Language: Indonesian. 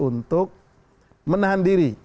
untuk menahan diri